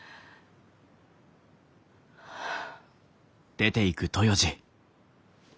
はあ。